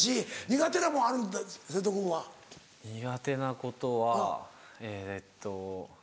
苦手なことはえっと。